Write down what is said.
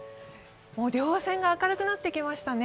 稜線が明るくなってきましたね。